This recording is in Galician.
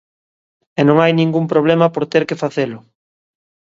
E non hai ningún problema por ter que facelo.